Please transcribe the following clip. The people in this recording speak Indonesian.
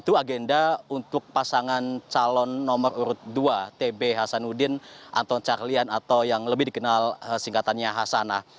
untuk pasangan calon nomor urut dua tb hasanudin atau carlyan atau yang lebih dikenal singkatannya hasanah